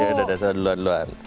ya saya duluan duluan